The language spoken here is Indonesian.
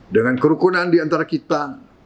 dengan kerukunan di antara kita